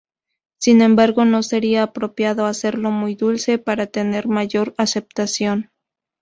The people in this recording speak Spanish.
Sin embargo, no sería apropiado hacerlo muy dulce para tener mayor aceptación.